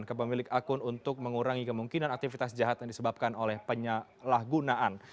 ke pemilik akun untuk mengurangi kemungkinan aktivitas jahat yang disebabkan oleh penyalahgunaan